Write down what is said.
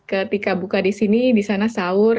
ketika buka di sini di sana sahur